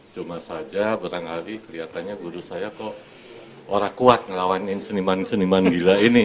cuma saja barangkali kelihatannya guru saya kok orang kuat ngelawanin seniman seniman gila ini